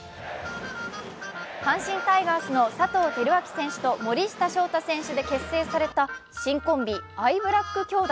阪神タイガースの佐藤輝明選手と森下翔太選手で結成された新コンビ、アイブラック兄弟。